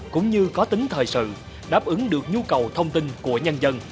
cũng như có tính thời sự đáp ứng được nhu cầu thông tin của nhân dân